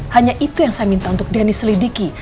hanya itu yang saya minta untuk dennis lidiki